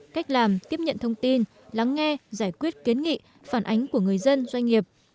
cách làm tiếp nhận thông tin lắng nghe giải quyết kiến nghị phản ánh của người dân doanh nghiệp